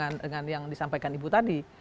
yang dimaksud dengan yang disampaikan ibu tadi